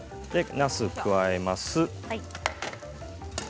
なすを加えます。